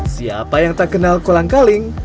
siapa yang tak kenal kolang kaling